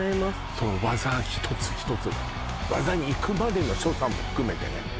その技一つ一つが技にいくまでの所作も含めてね